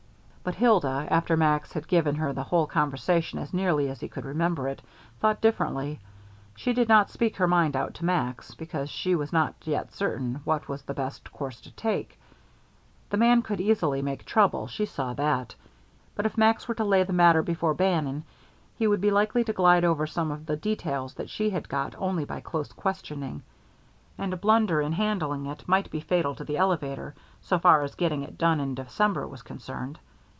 But Hilda, after Max had given her the whole conversation as nearly as he could remember it, thought differently. She did not speak her mind out to Max, because she was not yet certain what was the best course to take. The man could easily make trouble, she saw that. But if Max were to lay the matter before Bannon, he would be likely to glide over some of the details that she had got only by close questioning. And a blunder in handling it might be fatal to the elevator, so far as getting it done in December was concerned.